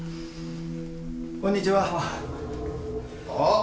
こんにちは。おっ！